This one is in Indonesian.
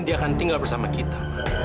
dia akan tinggal bersama kita